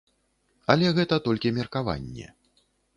Але гэта толькі меркаванне.